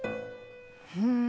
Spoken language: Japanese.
うん。